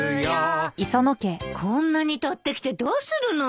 こんなに捕ってきてどうするの！？